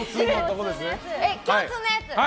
共通のやつ。